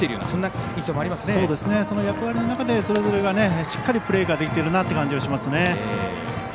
その役割の中でそれぞれがしっかりプレーができてるなという感じがしますね。